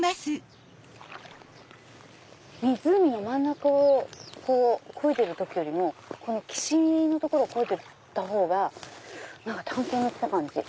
湖の真ん中をこいでる時よりも岸の所こいでた方が探検に来た感じ。